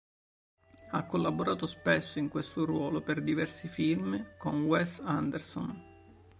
Ha collaborato spesso in questo ruolo per diversi film con Wes Anderson.